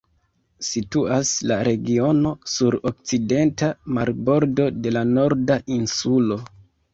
Situas la regiono sur okcidenta marbordo de la Norda Insulo.